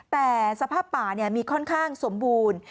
แต่สภาพป่ามีค่อนข้างสมบูรณ์